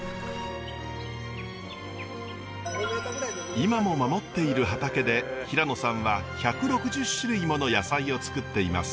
今も守っている畑で平野さんは１６０種類もの野菜をつくっています。